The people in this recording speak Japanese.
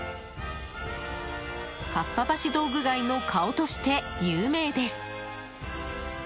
かっぱ橋道具街の顔として有名です。